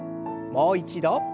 もう一度。